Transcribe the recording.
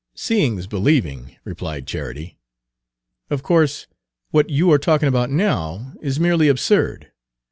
"Seeing 's believing," replied Charity. "Of course, what you are talking about now is merely absurd.